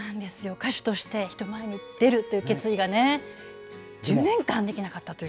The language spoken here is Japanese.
歌手として人前に出るという決意がね、１０年間できなかったという。